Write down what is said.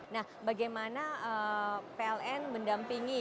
nah bagaimana pln mendampingi